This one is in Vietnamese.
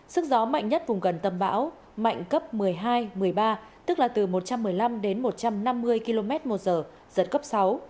sức gió mạnh nhất vùng gần tâm bão mạnh cấp một mươi hai một mươi ba tức là từ một trăm một mươi năm đến một trăm năm mươi km một giờ giật cấp sáu